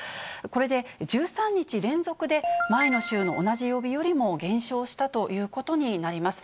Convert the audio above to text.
これで１３日連続で、前の週の同じ曜日よりも減少したということになります。